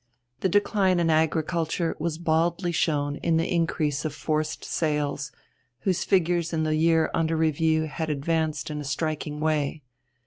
The decline in agriculture was baldly shown in the increase of forced sales, whose figures in the year under review had advanced in a striking way.